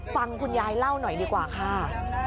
ฟังคุณยายเล่าหน่อยดีกว่าค่ะ